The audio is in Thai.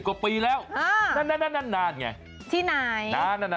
๒๐กว่าปีแล้วนานไงที่ไหนนาน